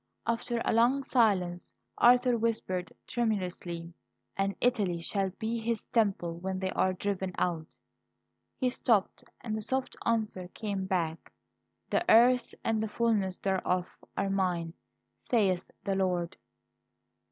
After a long silence, Arthur whispered tremulously: "And Italy shall be His Temple when they are driven out " He stopped; and the soft answer came back: "'The earth and the fulness thereof are mine, saith the Lord.'"